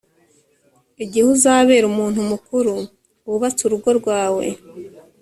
igihe uzabera umuntu mukuru wubatse urugo rwawe